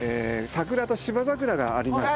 桜と芝桜がありました